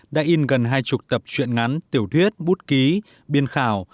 đã in gần hai chục tập chuyện ngắn tiểu thuyết bút ký biên khảo